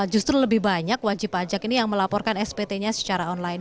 justru lebih banyak wajib pajak ini yang melaporkan spt nya secara online